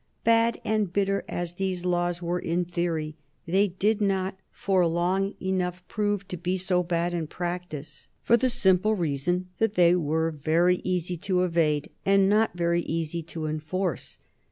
Bad and bitter as these laws were in theory, they did not for long enough prove to be so bad in practice, for the simple reason that they were very easy to evade and not very easy to enforce.